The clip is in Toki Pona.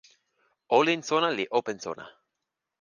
olin sona li open sona.